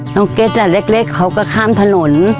น้องเก็ตน่ะเล็กเขาก็ข้ามถนน